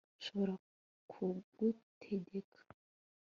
Nshobora kugutegeka